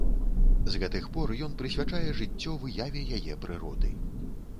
З гэтых пор ён прысвячае жыццё выяве яе прыроды.